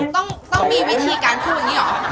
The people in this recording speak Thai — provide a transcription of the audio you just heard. ต้องมีวิธีการพูดอย่างนี้หรอ